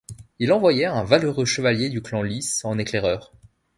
Il envoya un valeureux chevalier du clan Lis en éclaireur.